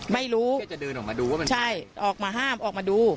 ไม่รู้แกจะเดินออกมาดูว่ามันใช่ออกมาห้ามออกมาดู